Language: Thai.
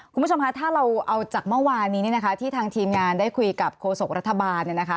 คุณผู้ชมคะถ้าเราเอาจากเมื่อวานนี้เนี่ยนะคะที่ทางทีมงานได้คุยกับโฆษกรัฐบาลเนี่ยนะคะ